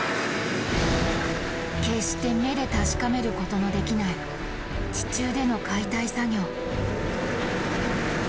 決して目で確かめることのできない地中での解体作業。